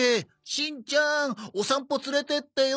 「しんちゃんお散歩連れてってよ